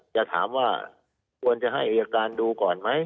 จะถามว่าควรจะให้อายการดูก่อนไหม